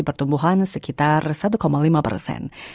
pertumbuhan sekitar satu lima persen